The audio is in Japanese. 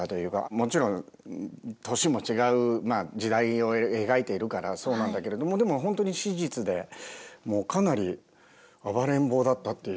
もちろん年も違う時代を描いているからそうなんだけれどもでも本当に史実でもかなり暴れん坊だったっていう。